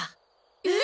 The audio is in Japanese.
えっ？